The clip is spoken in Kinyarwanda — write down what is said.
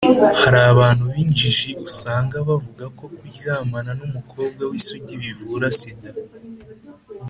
hari abantu b’injiji usanga bavuga ko kuryamana n’umukobwa w’isugi bivura sida.